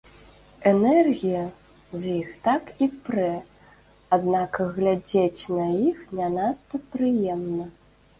Энергія з іх так і прэ, аднак глядзець на іх не надта прыемна.